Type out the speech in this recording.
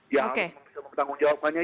ya harus mempengaruhi jawabannya